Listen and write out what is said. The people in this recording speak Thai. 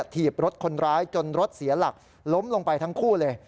ถีบรถคนร้ายจนรถเสียหลักล้มลงไปทั้งคู่เลย